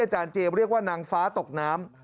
อาจารย์เจเรียกว่านางฟ้าตกน้ำ